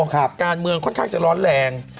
การเมืองค่อนข้างจะร้อนแรง